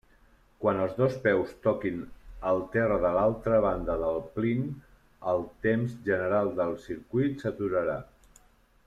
Quan els dos peus toquin al terra de l'altra banda del plint, el temps general del circuit s'aturarà.